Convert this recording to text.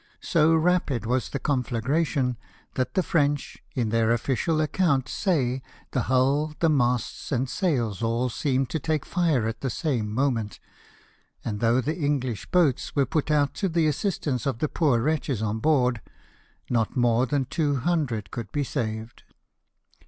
So rapid was the conflagra tion that the French, in their oflicial account, say the hull, the masts, and sails, all seemed to take fire at the same moment ; and though the English boats G 2 84 LIFE OF NELSON. were put out to the assistance of the poor wretches on board, not more than 200 could be saved.